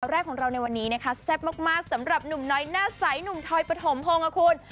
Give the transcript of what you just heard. แรกของเราในวันนี้นะคะแซ่บมากสำหรับหนุ่มน้อยหน้าใสหนุ่มทอยปฐมพงศ์ค่ะคุณ